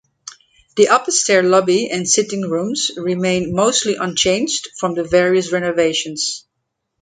The upper stair lobby and sitting rooms remain mostly unchanged from the various renovations.